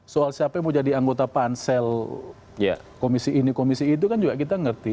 soal siapa yang mau jadi anggota pansel komisi ini komisi itu kan juga kita ngerti